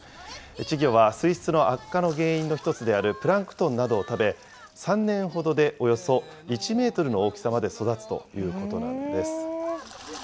稚魚は水質の悪化の原因の一つであるプランクトンなどを食べ、３年ほどでおよそ１メートルの大きさまで育つということなんです。